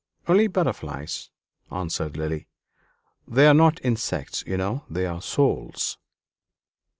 "Only butterflies," answered Lily; "they are not insects, you know; they are souls."